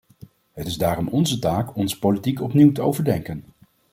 Het is daarom onze taak onze politiek opnieuw te overdenken.